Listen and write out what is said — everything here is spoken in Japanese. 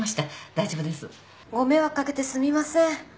大丈夫です。ご迷惑掛けてすみません。